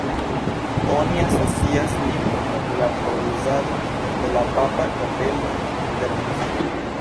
Oni asocias lin kun la provizado de la papa kapelo per muziko.